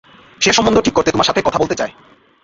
সে সম্বন্ধ ঠিক করতে তোমার সাথে কথা বলতে চায়।